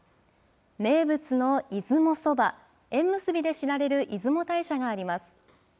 名物の出雲そば、縁結びで知られる出雲大社があります。